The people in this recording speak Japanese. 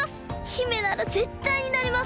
姫ならぜったいになれます！